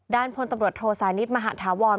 ด้านพลตำรวจโทไทรนิศมาหาทาวร